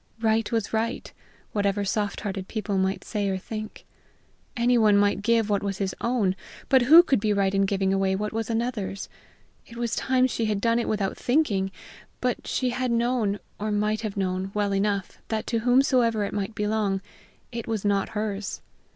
Right was right, whatever soft hearted people might say or think. Anyone might give what was his own, but who could be right in giving away what was another's? It was time she had done it without thinking; but she had known, or might have known, well enough that to whomsoever it might belong, it was not hers.